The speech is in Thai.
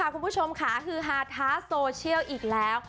คุณผู้ชมค่ะฮือฮาท้าโซเชียลอีกแล้ว